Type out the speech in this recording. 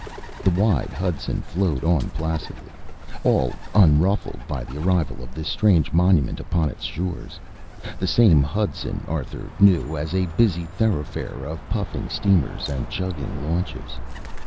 The wide Hudson flowed on placidly, all unruffled by the arrival of this strange monument upon its shores the same Hudson Arthur knew as a busy thoroughfare of puffing steamers and chugging launches.